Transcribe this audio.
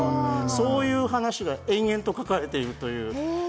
そういう話が延々と描かれているという。